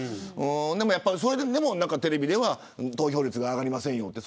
でも、それでもテレビでは投票率が上がりませんよって